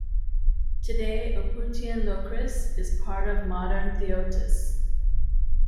Today, Opuntian Locris is part of modern Phthiotis.